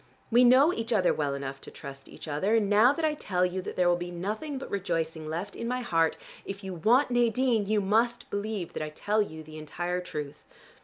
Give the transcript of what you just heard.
We know each other well enough to trust each other, and now that I tell you that there will be nothing but rejoicing left in my heart, if you want Nadine, you must believe that I tell you the entire truth.